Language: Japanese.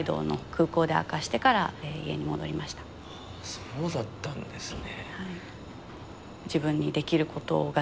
そうだったんですね。